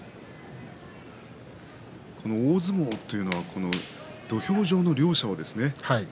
大相撲というのは土俵上の両者ですね